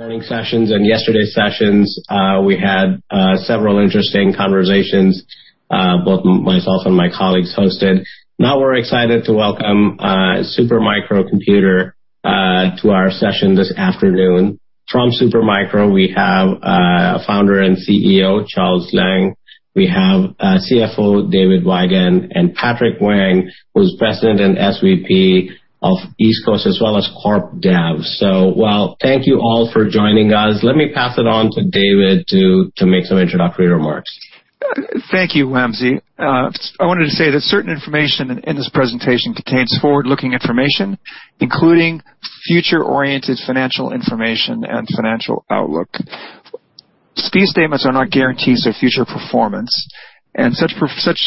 Morning sessions and yesterday's sessions, we had several interesting conversations, both myself and my colleagues hosted. Now we're excited to welcome Super Micro Computer to our session this afternoon. From Super Micro, we have Founder and CEO, Charles Liang. We have CFO, David Weigand, and Patrick Wang, who is President and SVP of East Coast as well as Corp Dev. Well, thank you all for joining us. Let me pass it on to David Weigand to make some introductory remarks. Thank you, Wamsi. I wanted to say that certain information in this presentation contains forward-looking information, including future-oriented financial information and financial outlook. These statements are not guarantees of future performance, and such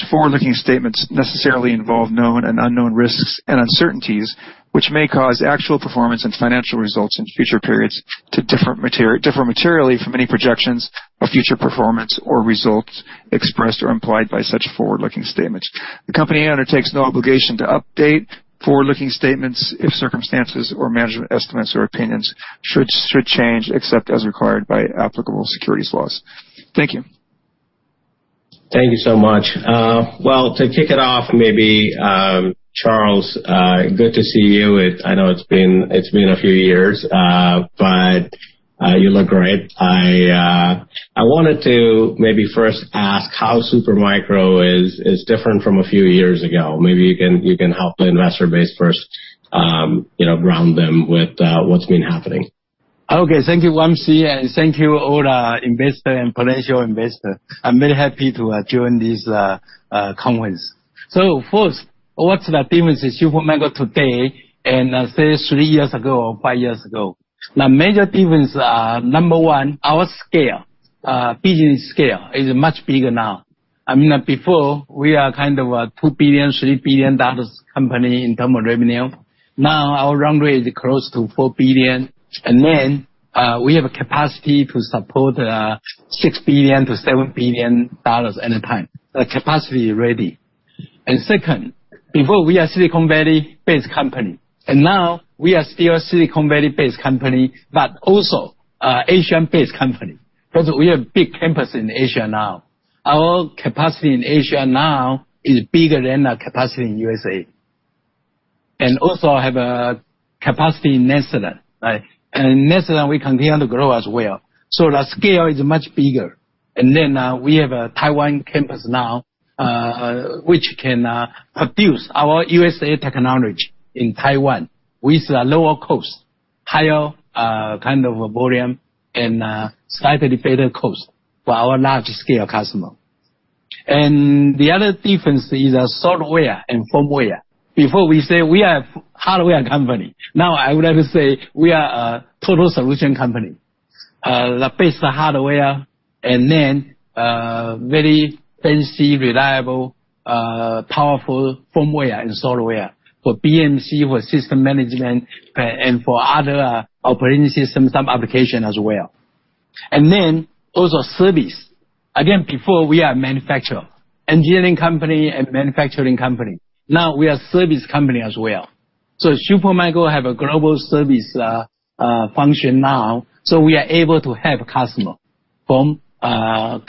forward-looking statements necessarily involve known and unknown risks and uncertainties, which may cause actual performance and financial results in future periods to differ materially from any projections of future performance or results expressed or implied by such forward-looking statements. The company undertakes no obligation to update forward-looking statements if circumstances or management estimates or opinions should change, except as required by applicable securities laws. Thank you. Thank you so much. Well, to kick it off, maybe, Charles, good to see you. I know it's been a few years, but you look great. I wanted to maybe first ask how Super Micro is different from a few years ago. Maybe you can help the investor base first, ground them with what's been happening. Okay. Thank you, Wamsi, and thank you to all the investors and potential investors. I'm very happy to join this conference. First, what's the difference with Super Micro today and say three years ago or five years ago? The major difference are, number one, our scale, business scale is much bigger now. Before we are a $2 billion, $3 billion company in terms of revenue. Now our run rate is close to $4 billion. We have the capacity to support $6 billion-$7 billion any time. The capacity is ready. Second, before we were a Silicon Valley-based company, and now we are still a Silicon Valley-based company, but also an Asian-based company. We have a big campus in Asia now. Our capacity in Asia now is bigger than our capacity in U.S.A. We also have a capacity in Netherlands. In Netherlands, we continue to grow as well. The scale is much bigger. Now we have a Taiwan campus, which can produce our U.S.A. technology in Taiwan with a lower cost, higher volume, and slightly better cost for our large-scale customers. The other difference is software and firmware. Before we say we are a hardware company. Now I would like to say we are a total solution company. That bases the hardware, and then very fancy, reliable, powerful firmware and software for BMC, for system management, and for other operating systems, as well as some applications. Also service. Again, before we are a manufacturer, engineering company, and manufacturing company. Now we are a service company as well. Super Micro have a global service function now. We are able to help customers from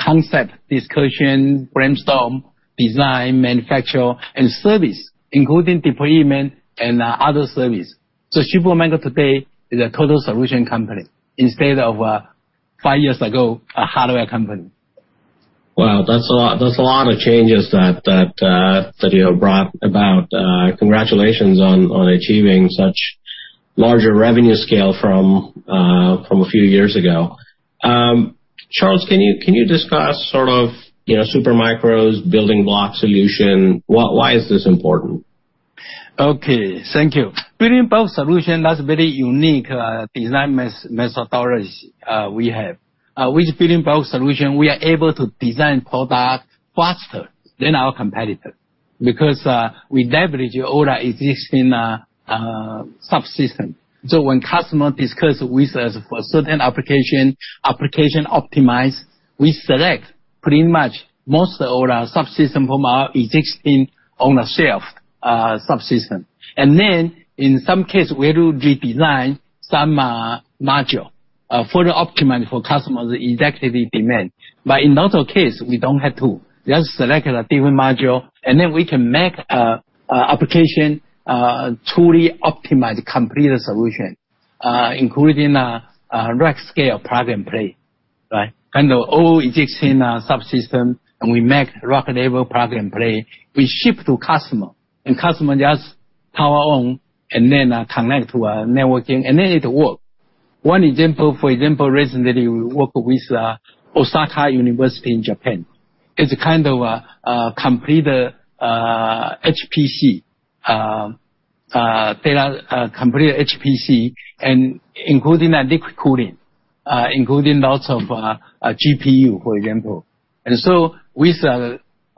concept discussion, brainstorm, design, manufacture, and service, including deployment and other services. Super Micro today is a total solution company instead of five years ago a hardware company. Wow, that's a lot of changes that you have brought about. Congratulations on achieving such a larger revenue scale from a few years ago. Charles, can you discuss Super Micro's building block solution? Why is this important? Okay. Thank you. Building block solution, that's a very unique design methodology we have. With a building block solution, we are able to design products faster than our competitors because we leverage all our existing subsystems. When customers discuss with us for certain application optimize, we select pretty much most of our subsystems from our existing on a shelf subsystem. In some cases, we do redesign some modules, fully optimized for customer's exact demand. In other cases, we don't have to. Just select a different module, and then we can make application a truly optimized, complete solution, including rack-scale plug-and play. Handle all existing subsystems, and we make rack-level plug-and-play. We ship to customers, and customers just power on, and then connect to a networking, and then it works. For example, recently we worked with Osaka University in Japan. It's a completed HPC, including liquid cooling, including lots of GPU, for example. We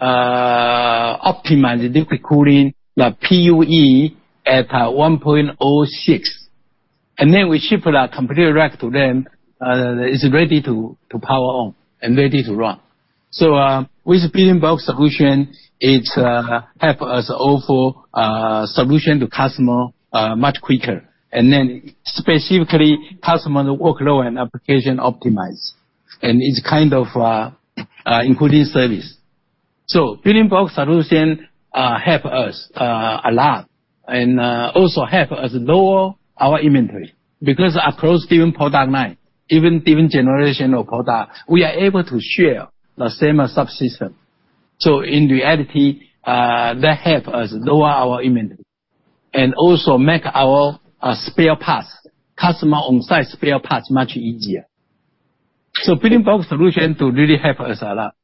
optimized liquid cooling, PUE at 1.06. We ship a complete rack to them, it's ready to power on and ready to run. With a building block solution, it helps us offer a solution to customers much quicker. Specifically, customer workload and application optimize, and it's kind of including service. Building block solution helps us a lot, and also helps us lower our inventory, because across different product lines, even different generations of products, we are able to share the same subsystem. In reality, that help us lower our inventory, and also makes our spare parts customer on-site spare parts much easier. Building block solution do really help us a lot.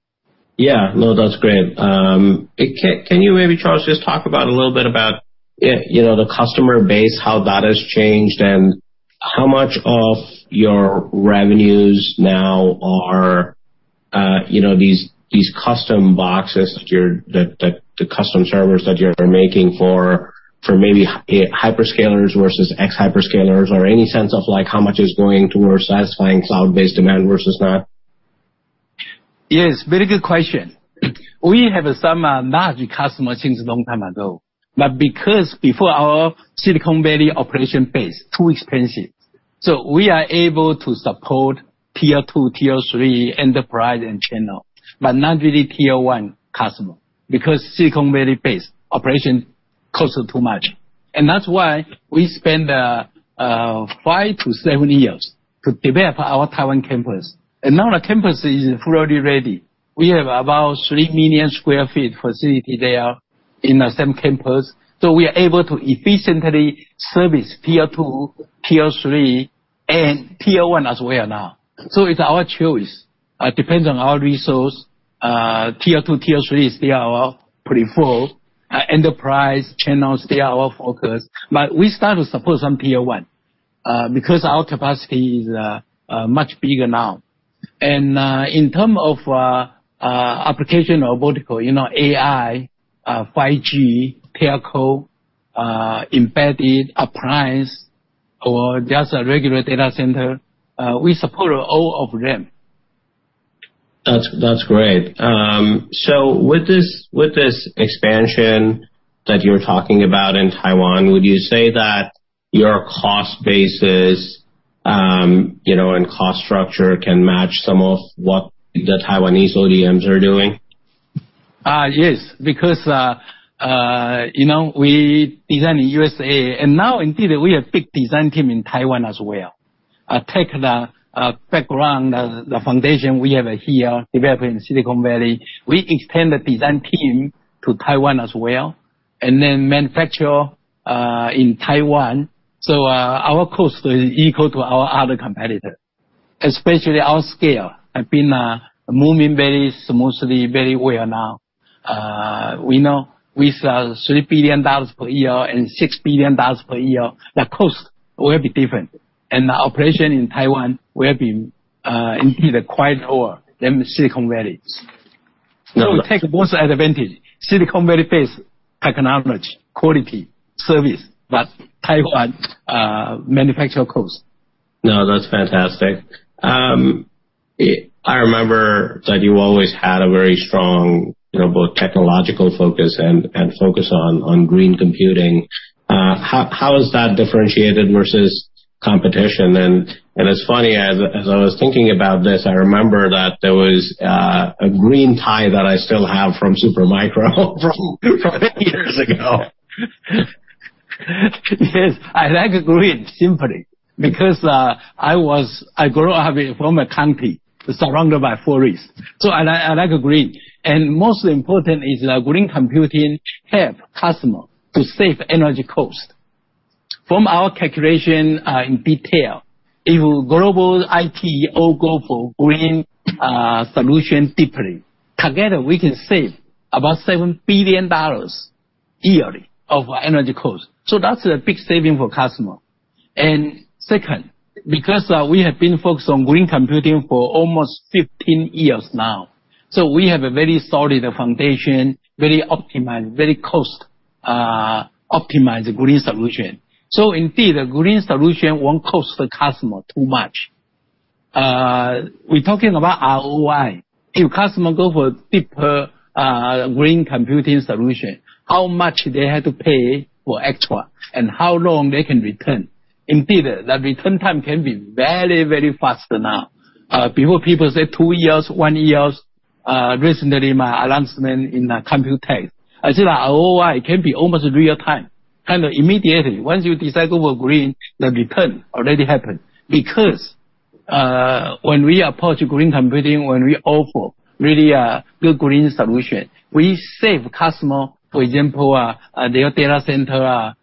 Yeah. No, that's great. Can you maybe, Charles, just talk about a little bit about the customer base, how that has changed, and how much of your revenues now are these custom boxes, the custom servers that you're making for maybe hyperscalers versus ex-hyperscalers, or any sense of how much is going towards satisfying cloud-based demand versus not? Yes, very good question. We have some large customers since a long time ago. Because before our Silicon Valley operation base, too expensive, we are able to support Tier 2, Tier 3 enterprise and channel, but not really Tier 1 customers, because Silicon Valley base operation costs too much. That's why we spend five to seven years to develop our Taiwan campus. Now the campus is fully ready. We have about 3 million sq ft facility there in the same campus. We are able to efficiently service Tier 2, Tier 3, and Tier 1 as well now. It's our choice. Depending on our resource, Tier 2, Tier 3 is still our preferred. Enterprise, channel, still our focus. We started to support some Tier 1, because our capacity is much bigger now. In terms of application of vertical, AI, 5G, Telco, embedded, appliance, or just a regular data center, we support all of them. That's great. With this expansion that you're talking about in Taiwan, would you say that your cost basis and cost structure can match some of what the Taiwanese ODMs are doing? Yes, we design in U.S.A., now indeed we have a big design team in Taiwan as well. Take the background, the foundation we have here developed in Silicon Valley, we extend the design team to Taiwan as well, then manufacture in Taiwan. Our cost is equal to our other competitor, especially our scale, have been moving very smoothly, very well now. We know we sell $3 billion per year and $6 billion per year, the cost will be different, our operation in Taiwan will indeed be quite lower than Silicon Valley. We take both advantage, Silicon Valley-based technology, quality, service, but Taiwan manufacture cost. No, that's fantastic. I remember that you always had a very strong both technological focus and focus on green computing. How has that differentiated versus competition? It's funny, as I was thinking about this, I remember that there was a green tie that I still have from Super Micro from years ago. Yes. I like green, simply, because I grew up in a former country surrounded by forests. I like green. Most important is that green computing helps customers to save energy costs. From our calculation in detail, if global IT all goes for green solutions deeply, together, we can save about $7 billion yearly of energy costs. That's a big saving for customer. Second, because we have been focused on green computing for almost 15 years now, so we have a very solid foundation, very optimized, very cost-optimized green solution. Indeed, the green solution won't cost the customer too much. We're talking about ROI. If customers go for a deeper green computing solution, how much do they have to pay for extra, and how long can they return. Indeed, the return time can be very, very fast now. Before, people said two years, one year. Recently, my announcement in Computex. I said ROI can be almost real-time, kind of immediately. Once you decide to go green, the return already happened. When we approach green computing, when we offer a really good green solution, we save customers, for example, their data center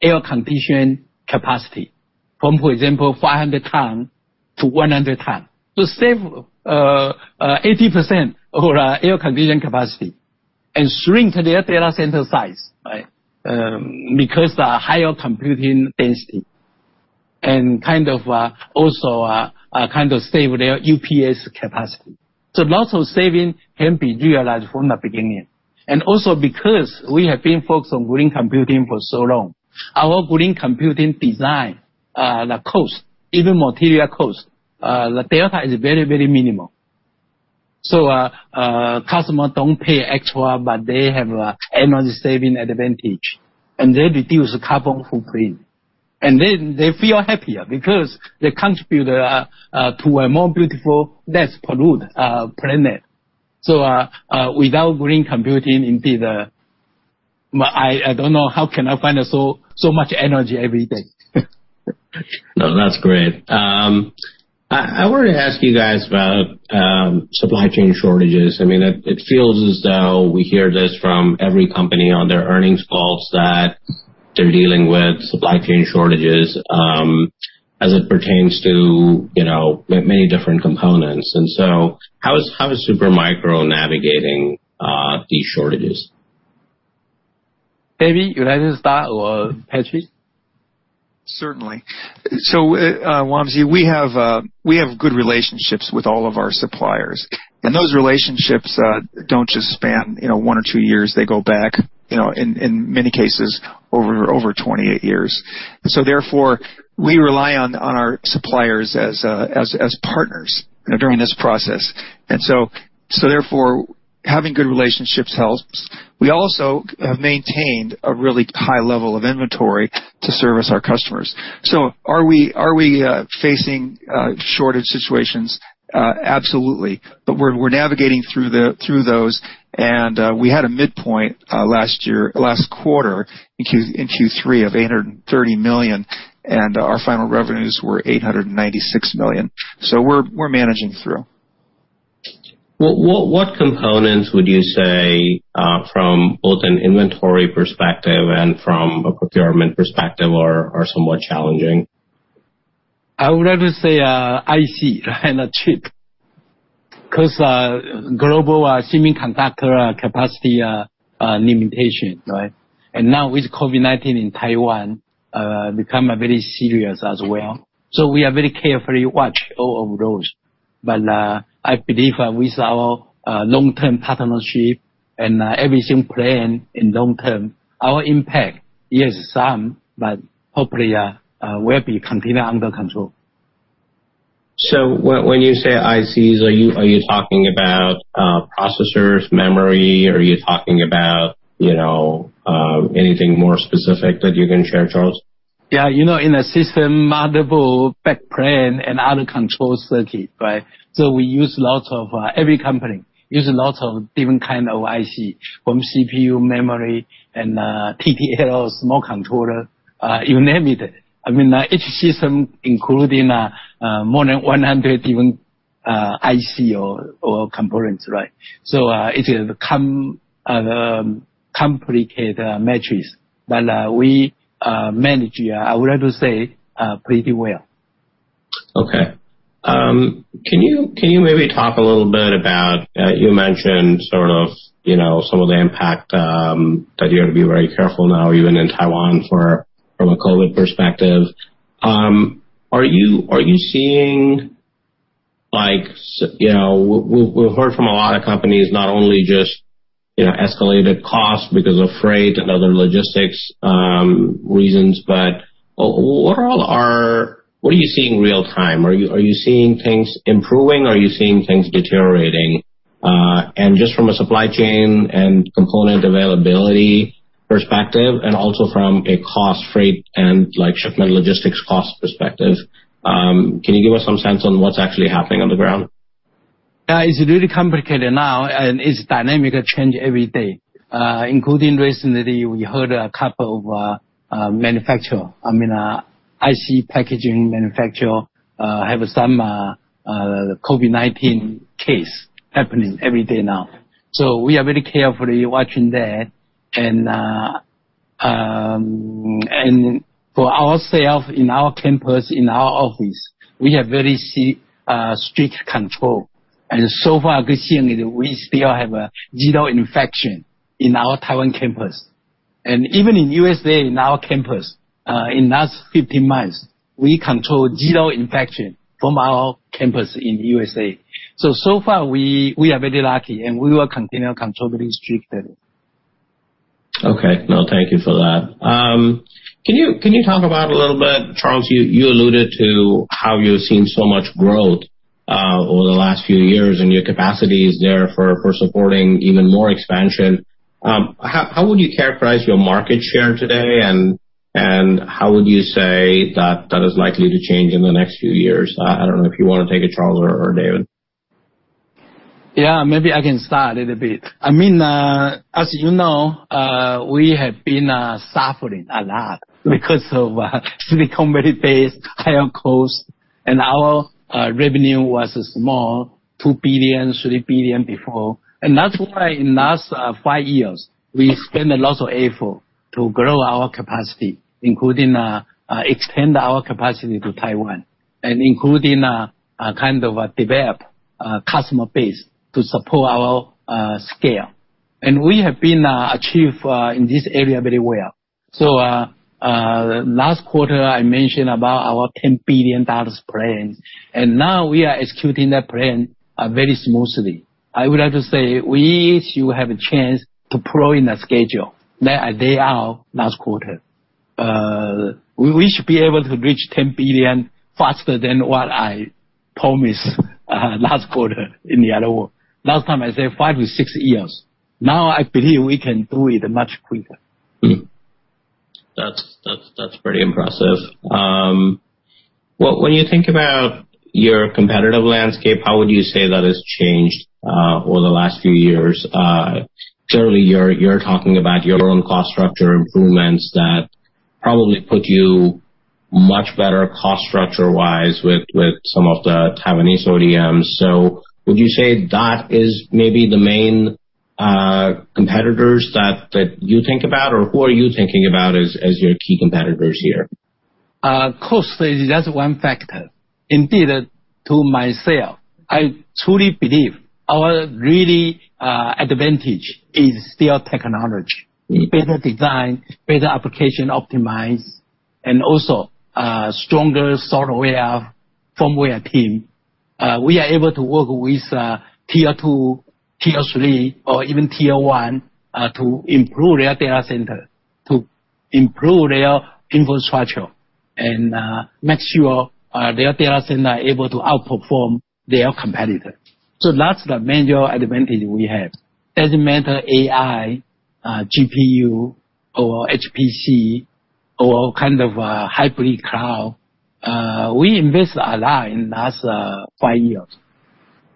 air condition capacity from, for example, 500 tons-100 tons. To save 80% of the air condition capacity and shrink their data center size, because higher computing density, and also save their UPS capacity. Lots of savings can be realized from the beginning. Because we have been focused on green computing for so long, our green computing design The cost, even the material cost, the delta is very, very minimal. Customers don't pay extra, but they have an energy-saving advantage, and they reduce carbon footprint, and they feel happier because they contribute to a more beautiful, less polluted planet. Without green computing, indeed, I don't know how I can find so much energy every day. No, that's great. I wanted to ask you guys about supply chain shortages. It feels as though we hear this from every company on their earnings calls, that they're dealing with supply chain shortages, as it pertains to many different components. How is Super Micro navigating these shortages? Maybe you want to start, Patrick? Certainly. Wamsi, we have good relationships with all of our suppliers, and those relationships don't just span one or two years. They go back, in many cases, over 28 years. Therefore, we rely on our suppliers as partners during this process. Therefore, having good relationships helps. We also have maintained a really high level of inventory to service our customers. Are we facing shortage situations? Absolutely. We're navigating through those, and we had a midpoint last quarter in Q3 of $830 million, and our final revenues were $896 million. We're managing through. What components would you say, from both an inventory perspective and from a procurement perspective, are somewhat challenging? I would rather say IC and a chip because of the global semiconductor capacity limitation. Now with COVID-19 in Taiwan, become very serious as well. We are very carefully watch all of those. I believe with our long-term partnership, and everything planned in the long-term, our impact, yes, some, but hopefully will be continued under control. When you say ICs, are you talking about processors, memory? Are you talking about anything more specific that you can share, Charles? Yeah, in a system, multiple backplanes and other control circuits. Every company uses lots of different kinds of IC, from CPU, memory, and FPGA, to small controllers, you name it. Each system including more than 100 different ICs or components. It is a complicated matrix, but we manage, I would rather say, pretty well. Okay. Can you maybe talk a little bit about, you mentioned sort of some of the impact, that you have to be very careful now, even in Taiwan, from a COVID perspective? We've heard from a lot of companies, not only just escalated costs because of freight and other logistics reasons. What are you seeing in real time? Are you seeing things improving? Are you seeing things deteriorating? Just from a supply chain and component availability perspective, and also from a cost, freight, and shipment logistics cost perspective, can you give us some sense on what's actually happening on the ground? Yeah, it's really complicated now. It's a dynamic change every day, including recently, we heard a couple of IC packaging manufacturers have some COVID-19 cases happening every day now. We are very carefully watching that. For ourselves, in our campus, in our office, we have very strict control. So far, we still have zero infections in our Taiwan campus. Even in the U.S.A., in our campus, in the last 15 months, we control zero infections from our campus in U.S.A. So far, we are very lucky, and we will continue controlling strictly. Okay. Well, thank you for that. Can you talk about a little bit, Charles, you alluded to how you've seen so much growth over the last few years, and your capacity is there for supporting even more expansion? How would you characterize your market share today, and how would you say that is likely to change in the next few years? I don't know if you want to take it, Charles or David. Maybe I can start a little bit. As you know, we have been suffering a lot because of Silicon Valley-based higher costs, and our revenue was small, $2 billion, $3 billion before. That's why in the last five years, we have spent a lot of effort to grow our capacity, including extending our capacity to Taiwan, and including developing a customer base to support our scale. We have been achieving very well in this area. Last quarter, I mentioned about our $10 billion plans, and now we are executing that plan very smoothly. I would like to say we should have a chance to pull in a schedule, like a day out last quarter. We should be able to reach $10 billion faster than what I promised last quarter, in other words. Last time I said five to six years. I believe we can do it much quicker. That's pretty impressive. When you think about your competitive landscape, how would you say that has changed over the last few years? Certainly, you're talking about your own cost structure improvements that probably put you much better cost structure-wise with some of the Taiwanese ODMs. Would you say that is maybe the main competitor that you think about? Or who are you thinking about as your key competitors here? Cost is just one factor. Indeed, to myself, I truly believe our real advantage is still technology, better design, better application optimization, and also a stronger software firmware team. We are able to work with Tier 2, Tier 3, or even Tier 1 to improve their data center, to improve their infrastructure, and make sure their data center are able to outperform their competitor. That's the major advantage we have. Doesn't matter AI, GPU, or HPC, or kind of hybrid cloud. We have invested a lot in the last five years.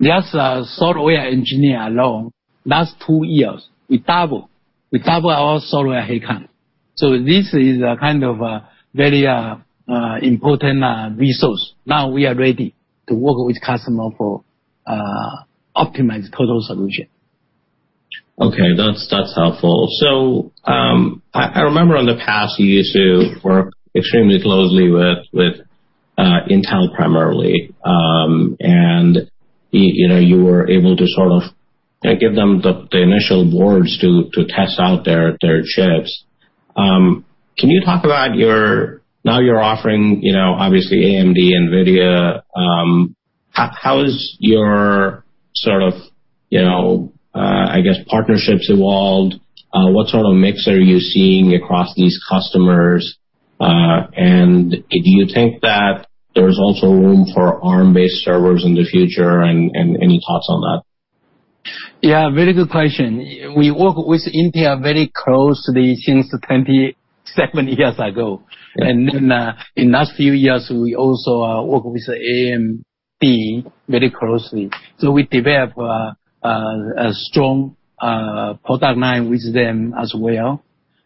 Just as a software engineer alone, last two years, we doubled our software headcount. This is a kind of a very important resource. Now we are ready to work with customer for optimized total solution. Okay. That's helpful. I remember in the past you used to work extremely closely with Intel primarily, and you were able to sort of give them the initial boards to test out their chips. Can you talk about now you're offering obviously AMD, NVIDIA, how has your sort of partnerships evolved? What sort of mix are you seeing across these customers? Do you think that there's also room for ARM-based servers in the future, and any thoughts on that? Yeah, very good question. We work with Intel very closely since 27 years ago, and then in the last few years, we also worked with AMD very closely.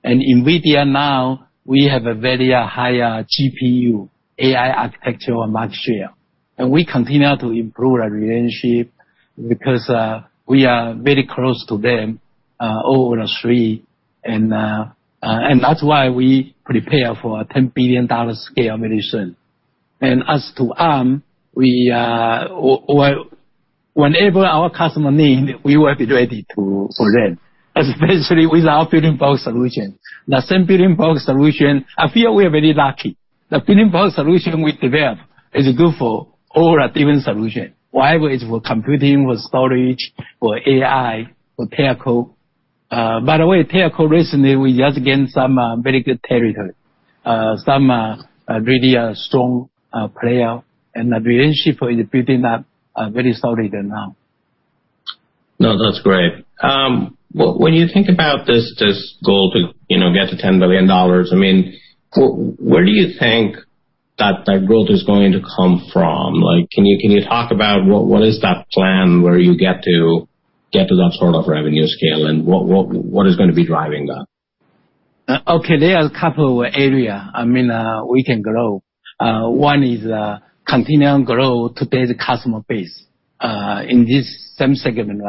NVIDIA now, we have a very higher GPU AI architectural market share, and we continue to improve our relationship because we are very close to them all three, and that's why we prepare for a $10 billion scale very soon. As to ARM, whenever our customers need, we will be ready for them, especially with our building block solution. The same building block solution, I feel, we are very lucky. The building block solution we developed is good for all our different solutions, whether it's for computing, for storage, for AI, or for Telco. By the way, Telco recently, we just gained some very good territory, some really strong players. The relationship is building up very solid now. No, that's great. When you think about this goal to get to $10 billion, where do you think that growth is going to come from? Can you talk about what that plan is where you get to that sort of revenue scale, and what is going to be driving that? There are a couple of areas we can grow. One is continuing to grow today's customer base in this same segment.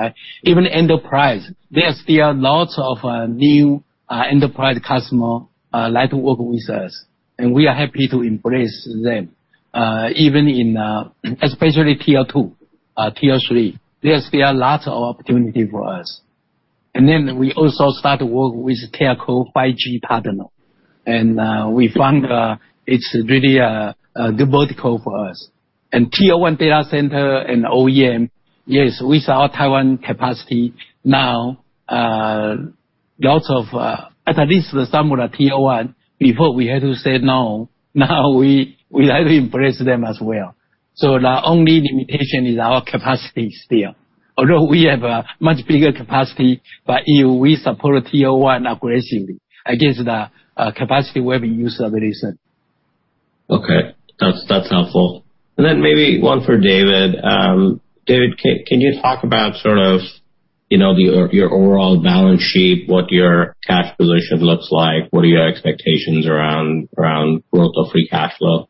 Even enterprise, there are still lots of new enterprise customer like to work with us, and we are happy to embrace them even in especially Tier 2, Tier 3. There's still a lot of opportunity for us. We also started to work with a Telco 5G partner, and we found it's really a good vertical for us. Tier 1 data center and OEM, yes, with our Taiwan capacity now, at least some of the Tier 1, before we had to say no, now we have embraced them as well. The only limitation is our capacity still. Although we have a much bigger capacity, if we support Tier 1 aggressively, I think the capacity will be used very soon. Okay. That's helpful. Maybe one for David. David, can you talk about sort of your overall balance sheet, what your cash position looks like? What are your expectations around the growth of free cash flow?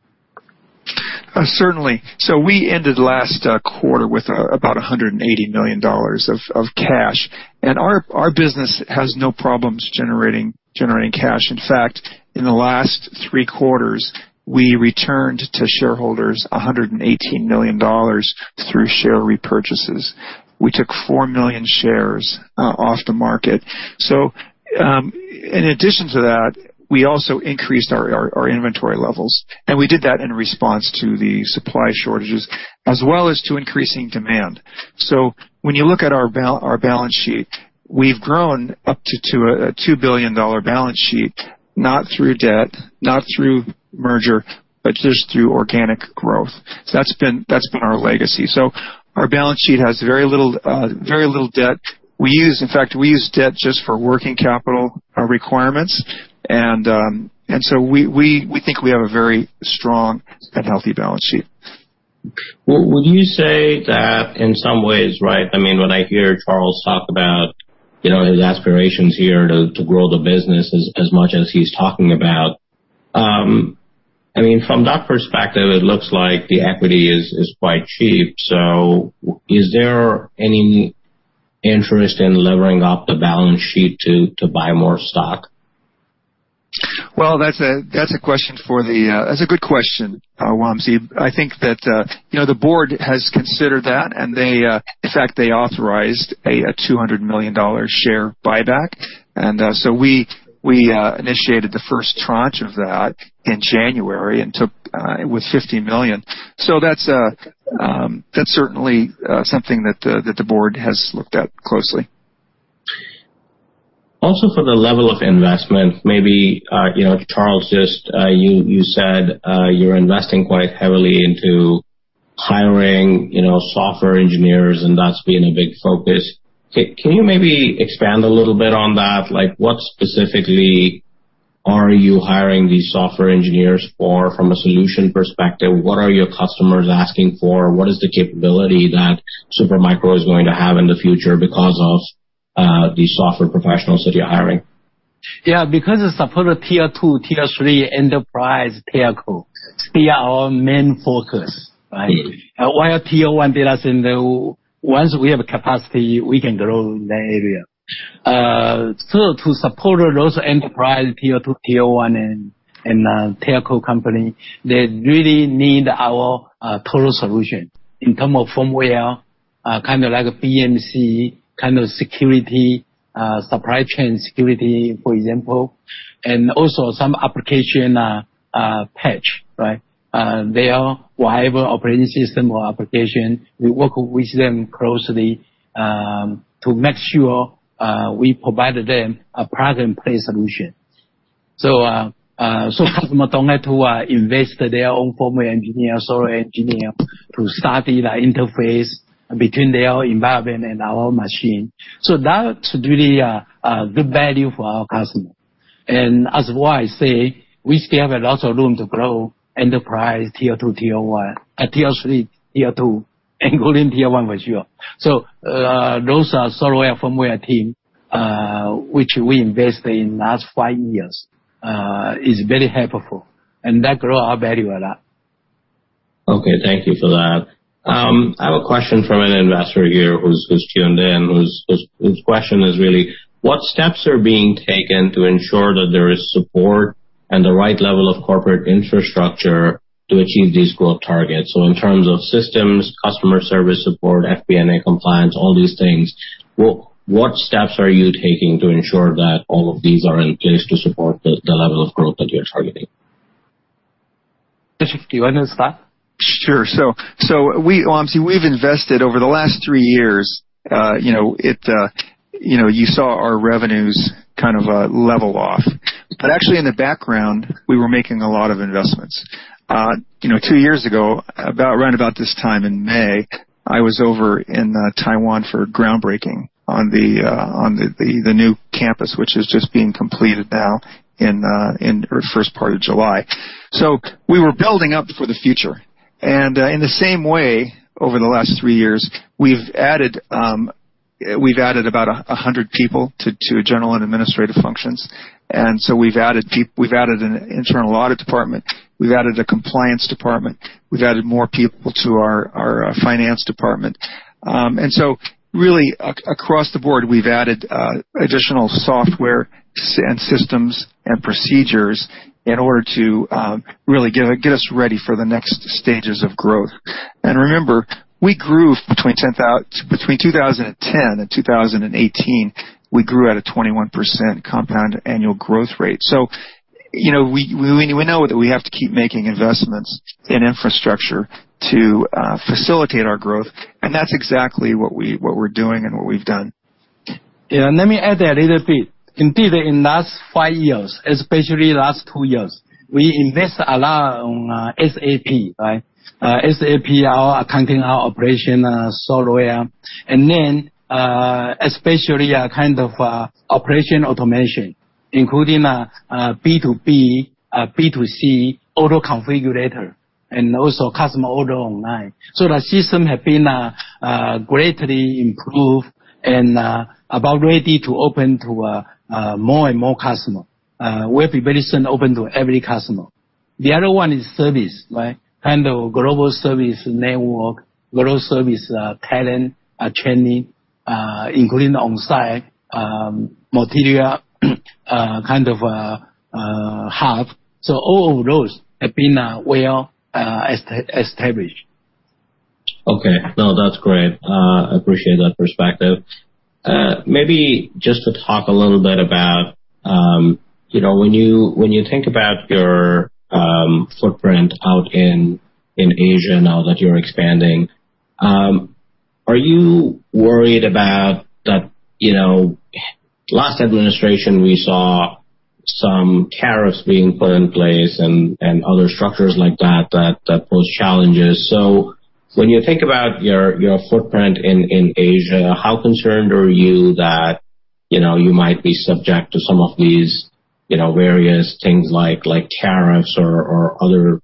Certainly. We ended last quarter with about $180 million of cash, and our business has no problems generating cash. In fact, in the last three quarters, we returned to shareholders $118 million through share repurchases. We took four million shares off the market. In addition to that, we also increased our inventory levels, and we did that in response to the supply shortages as well as to increasing demand. When you look at our balance sheet, we've grown up to a $2 billion balance sheet. Not through debt, not through merger, but just through organic growth. That's been our legacy. Our balance sheet has very little debt. In fact, we use debt just for working capital requirements, and so we think we have a very strong and healthy balance sheet. Would you say that in some ways, when I hear Charles talk about his aspirations here to grow the business as much as he's talking about, from that perspective, it looks like the equity is quite cheap? Is there any interest in levering up the balance sheet to buy more stock? Well, that's a good question, Wamsi. I think that the board has considered that, and in fact, they authorized a $200 million share buyback. We initiated the first tranche of that in January, and it was $50 million. That's certainly something that the board has looked at closely. For the level of investment, maybe, Charles, you said you're investing quite heavily into hiring software engineers, and that's been a big focus. Can you maybe expand a little bit on that? What specifically are you hiring these software engineers for from a solution perspective? What are your customers asking for? What is the capability that Super Micro is going to have in the future because of these software professionals that you're hiring? Yeah, because it supports Tier 2, Tier 3 enterprise, Tier 2, still our main focus, right? Tier 1 data center, once we have capacity, we can grow that area. To support those enterprise Tier 2, Tier 1, and Telco company, they really need our total solution in terms of firmware, kind of like a BMC, supply chain security, for example, and also some application patch. Their whatever operating system or application, we work with them closely to make sure we provide them a plug-and-play solution. Software matters, who are invest their own firmware engineer, software engineer to study the interface between their environment and our machine. That's really a good value for our customers. As I say, we still have a lot of room to grow enterprise Tier 2, Tier 1, Tier 3, Tier 2, including Tier 1 as well. Those are the software firmware team, which we invest in the last five years, is very helpful, and that grow our value a lot. Okay, thank you for that. I have a question from an investor here who's tuned in, whose question is really: What steps are being taken to ensure that there is support and the right level of corporate infrastructure to achieve these growth targets? In terms of systems, customer service support, FCPA compliance, all these things, what steps are you taking to ensure that all of these are in place to support the level of growth that you're targeting? Do you want to start? Sure. Wamsi, we've invested over the last three years. You saw our revenues kind of level off, but actually, in the background, we were making a lot of investments. Two years ago, right about this time in May, I was over in Taiwan for groundbreaking on the new campus, which is just being completed now in the first part of July. In the same way, over the last three years, we've added about 100 people to general and administrative functions. We've added an internal audit department. We've added a compliance department. We've added more people to our finance department. Really, across the board, we've added additional software and systems and procedures in order to really get us ready for the next stages of growth. Remember, we grew between 2010 and 2018. We grew at a 21% compound annual growth rate. We know that we have to keep making investments in infrastructure to facilitate our growth, and that's exactly what we're doing and what we've done. Let me add a little bit. Indeed, in the last five years, especially the last two years, we invest a lot on SAP. SAP, our accounting, our operation software, especially kind of operation automation, including B2B, B2C auto configurator, and also customer order online. The system have been greatly improved and about ready to open to more and more customers, will be open to every customer very soon. The other one is service, a kind of global service network, global service talent, training, including on-site material, a kind of hub. All of those have been well established. Okay. No, that's great. Appreciate that perspective. Maybe just to talk a little bit about when you think about your footprint out in Asia now that you're expanding. Are you worried about the last administration, we saw some tariffs being put in place, and other structures like that pose challenges. When you think about your footprint in Asia, how concerned are you that you might be subject to some of these various things like tariffs or other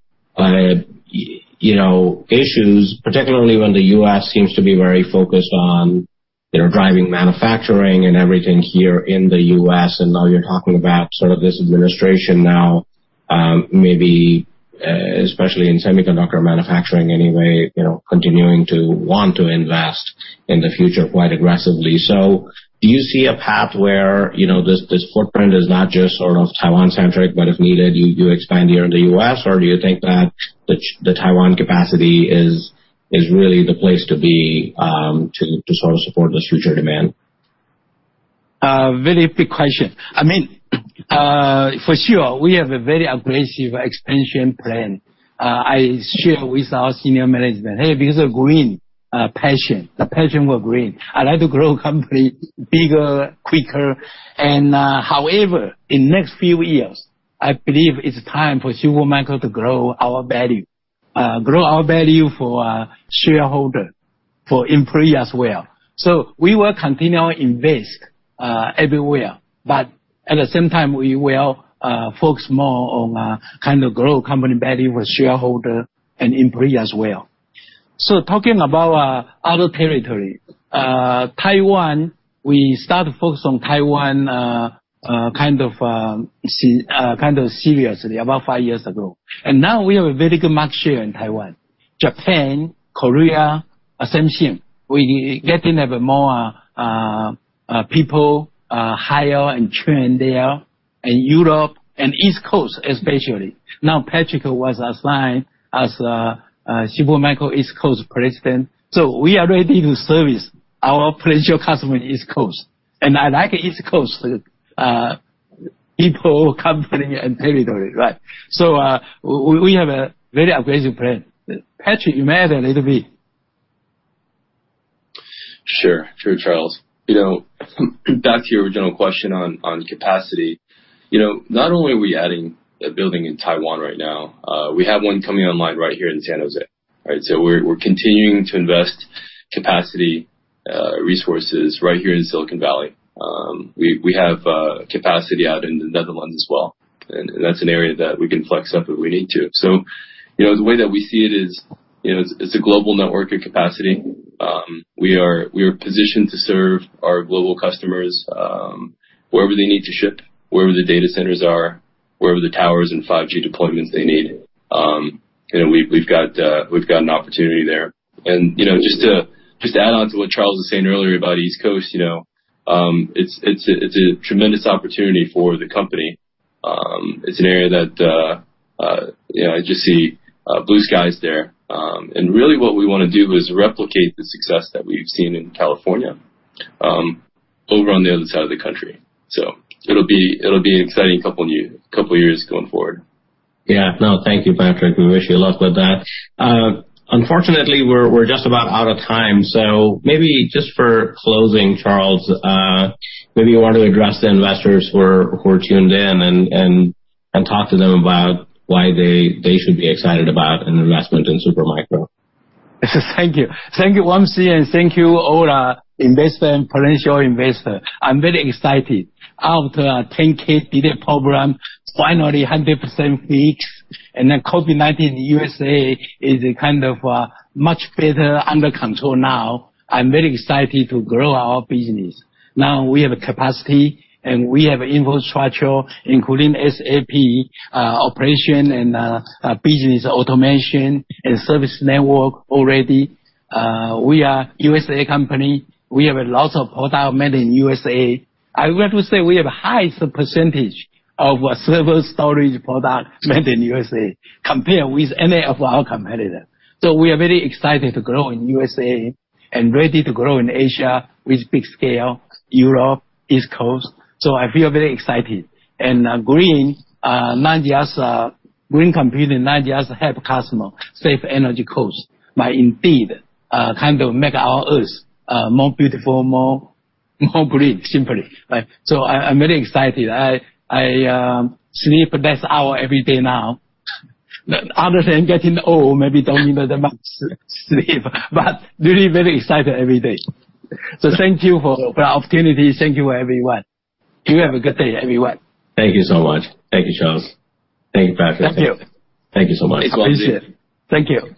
issues, particularly when the U.S. seems to be very focused on driving manufacturing and everything here in the U.S., and now you're talking about this administration now maybe, especially in semiconductor manufacturing anyway, continuing to want to invest in the future quite aggressively. Do you see a path where this footprint is not just sort of Taiwan-centric, but if needed, you expand here in the U.S., or do you think that the Taiwan capacity is really the place to be to support this future demand? Very big question. For sure, we have a very aggressive expansion plan. I shared with our senior management, hey, because of green passion, the passion for green, I like to grow the company bigger, quicker, and however, in the next few years, I believe it's time for Super Micro to grow our value. Grow our value for shareholders, for employees as well. We will continue to invest everywhere, but at the same time, we will focus more on how to grow company value for shareholders and employees as well. Talking about other territories, Taiwan, we started to focus on Taiwan kind of seriously about five years ago. Now we have a very good market share in Taiwan, Japan, Korea, same same. We getting a bit more people hire and trained there, and Europe, and the East Coast, especially. Now, Patrick was assigned as Super Micro East Coast President. We are ready to service our potential customer on the East Coast. I like the East Coast, people, company, and territory. We have a very aggressive plan. Patrick, you add a little bit. Sure. Charles. Back to your original question on capacity. Not only are we adding a building in Taiwan right now, we have one coming online right here in San Jose. We're continuing to invest capacity resources right here in Silicon Valley. We have capacity out in the Netherlands as well, and that's an area that we can flex up if we need to. The way that we see it is, it's a global network of capacity. We are positioned to serve our global customers wherever they need to ship, wherever the data centres are, wherever the towers and 5G deployments they need. We've got an opportunity there. Just to add on to what Charles was saying earlier about East Coast, it's a tremendous opportunity for the company. It's an area that I just see blue skies there. Really, what we want to do is replicate the success that we've seen in California over on the other side of the country. It'll be an exciting couple of years going forward. Yeah. No, thank you, Patrick. We wish you luck with that. Unfortunately, we're just about out of time, so maybe just for closing, Charles, maybe you want to address the investors who are tuned in and talk to them about why they should be excited about an investment in Super Micro. Thank you. Thank you once again, thank you all investors and potential investors. I'm very excited. After 10-K delay problem, finally 100% fixed, and then COVID-19 USA is kind of much better under control now. I'm very excited to grow our business. Now we have capacity, and we have infrastructure, including SAP operation and business automation and service network already. We are a USA company. We have lots of products made in USA. I got to say, we have the highest percentage of server storage products made in USA compared with any of our competitors. We are very excited to grow in USA and ready to grow in Asia with big scale, Europe, East Coast. I feel very excited. Green computing not just helps customers save energy costs, but indeed kind of make our earth more beautiful, more green, simply. I'm very excited. I sleep less hour every day now. Other than getting old, maybe don't need that much sleep, really very excited every day. Thank you for the opportunity. Thank you, everyone. You have a good day, everyone. Thank you so much. Thank you, Charles. Thank you, Patrick. Thank you. Thank you so much. Appreciate it. Thank you.